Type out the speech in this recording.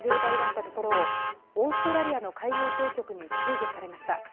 たっところをオーストラリアの海洋当局に救助されました。